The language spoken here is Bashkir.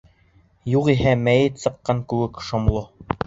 Юғиһә, мәйет сыҡҡан кеүек шомло.